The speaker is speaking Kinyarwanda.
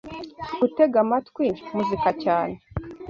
Gutega amatwi muzika cyane